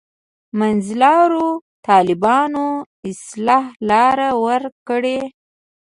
منځلارو طالبانو اصطلاح لاره ورکوي.